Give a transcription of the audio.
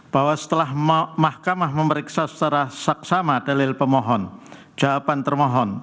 bahwa setelah mahkamah memeriksa secara saksama dalil pemohon jawaban termohon